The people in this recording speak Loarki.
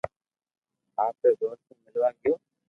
آپري دوست مون ملوا گيو